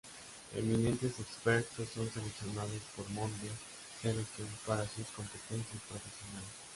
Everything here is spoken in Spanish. Eminentes expertos son seleccionados por Monde Selection para sus competencias profesionales.